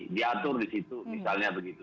diatur disitu misalnya begitu